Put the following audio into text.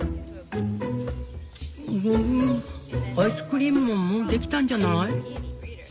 「フグフグアイスクリームももうできたんじゃない？」。